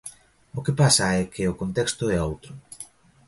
O que pasa é que o contexto é outro.